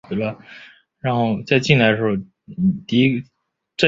他加入了英国组织的非正规的编外警察并领导了一个小型机动巡逻队。